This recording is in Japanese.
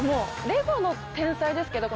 レゴの天才ですけど。